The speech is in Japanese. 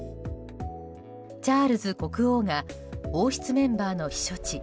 チャールズ国王が王室メンバーの避暑地